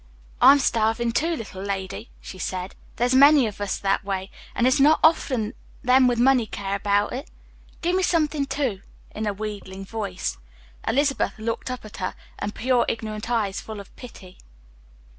"I'm starvin' too, little lady," she said. "There's many of us that way, an' it's not often them with money care about it. Give me something too," in a wheedling voice. Elizabeth looked up at her, her pure ignorant eyes full of pity.